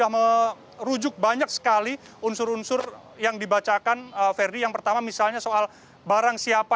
merujuk banyak sekali unsur unsur yang dibacakan verdi yang pertama misalnya soal barang siapa